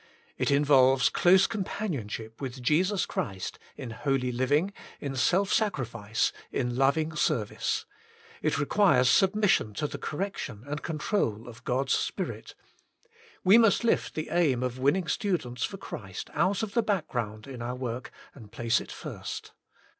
It Involves Close Companionship with Jesus Christ in Holy Living, in Self Sacri fice, IN Loving Service; it requires submission to the correction and control of God^s Spirit. .. We m ust lift the aim of Winning Students for Christ out of the background in our work and Place It First.